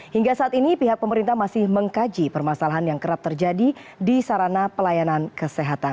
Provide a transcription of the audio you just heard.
hingga saat ini pihak pemerintah masih mengkaji permasalahan yang kerap terjadi di sarana pelayanan kesehatan